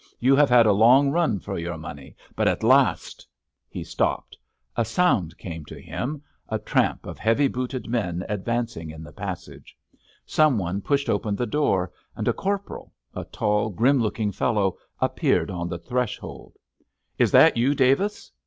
You have had a long run for your money, but at last——" He stopped—a sound came to him, a tramp of heavy booted men advancing in the passage. Some one pushed open the door, and a corporal—a tall, grim looking fellow—appeared on the threshold. "Is that you, Davis?"